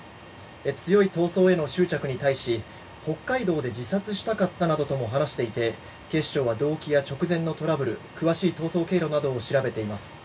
強い逃走への執着に対し北海道で自殺したかったなどとも話していて警視庁は動機や直前のトラブルなどを調べています。